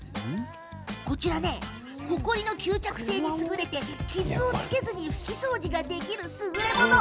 ほこりの吸着性に優れていて傷をつけずに拭き掃除ができるすぐれもの。